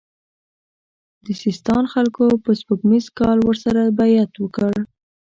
د سیستان خلکو په سپوږمیز کال ورسره بیعت وکړ.